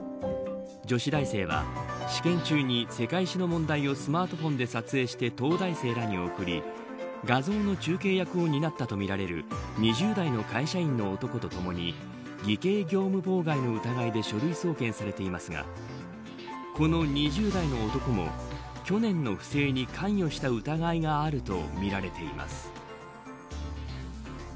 女子大生は試験中に世界史の問題をスマートフォンで撮影して東大生らに送り画像の中継役を担ったとみられる２０代の会社員の男とともに偽計業務妨害の疑いで書類送検されていますがこの２０代の男も去年の不正に関与した疑いがあるとみられています。